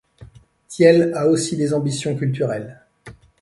Thiel a aussi des ambitions culturelles.